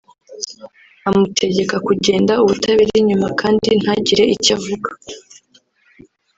amutegeka kugenda ubutareba inyuma kandi ntagire icyo avuga